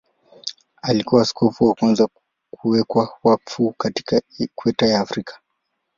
Alikuwa askofu wa kwanza kuwekwa wakfu katika Ikweta ya Afrika.